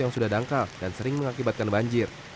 yang sudah dangkal dan sering mengakibatkan banjir